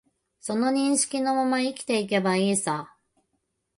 その認識のまま生きていけばいいさ